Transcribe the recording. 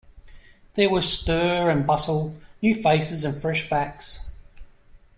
There were stir and bustle, new faces, and fresh facts.